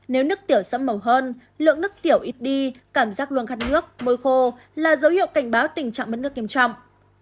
nếu nước tiểu sẫm màu hơn lượng nước tiểu ít đi cảm giác luôn khăn nước môi khô là dấu hiệu cảnh báo tình trạng mất nước nghiêm trọng